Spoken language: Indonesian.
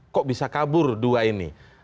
kok bisa kabur dua ini